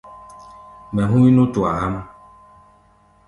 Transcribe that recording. Mɛ hú̧í̧ nútua há̧ʼm.